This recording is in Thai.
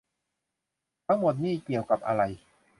ทั้งหมดนี่เกี่ยวกับอะไร